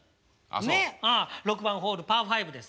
６番ホールパーファイブです。